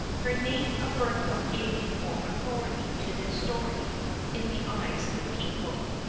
Her name of Bertha gave more authority to this story in the eyes of the people.